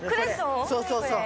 そうそうそう。